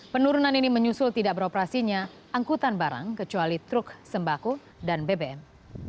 penurunan ini menyusul tidak beroperasinya angkutan barang kecuali truk sembako dan bbm